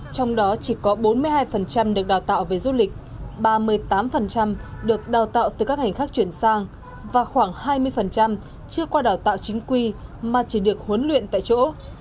trong đó chỉ có bốn mươi hai được đào tạo về du lịch ba mươi tám được đào tạo từ các ngành khác chuyển sang và khoảng hai mươi chưa qua đào tạo chính quy mà chỉ được huấn luyện tại chỗ